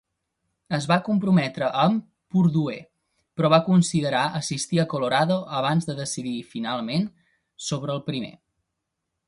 Es va comprometre amb Purdue, però va considerar assistir a Colorado abans de decidir finalment sobre el primer.